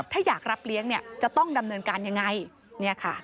ถ้าอยากรับเลี้ยงเนี่ยจะต้องดำเนินการยังไงเนี่ยค่ะ